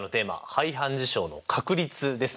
「排反事象の確率」ですね！